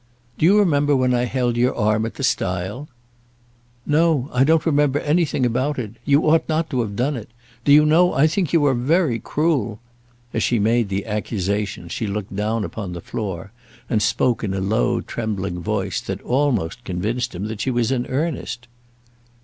"Do you remember when I held your arm at the stile?" "No; I don't remember anything about it. You ought not to have done it. Do you know, I think you are very cruel." As she made the accusation, she looked down upon the floor, and spoke in a low, trembling voice that almost convinced him that she was in earnest.